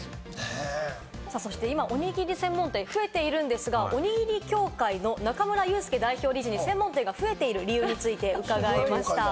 そして今、おにぎり専門店増えているんですが、おにぎり協会の中村祐介代表理事に専門店が増えている理由について伺いました。